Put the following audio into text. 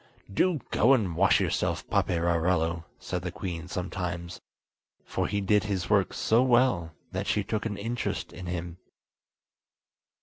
"Do go and wash yourself, Paperarello!" said the queen sometimes, for he did his work so well that she took an interest in him.